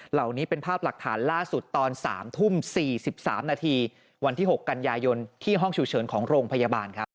เหล่านี้เป็นภาพหลักฐานล่าสุดตอน๓ทุ่ม๔๓นาทีวันที่๖กันยายนที่ห้องฉุกเฉินของโรงพยาบาลครับ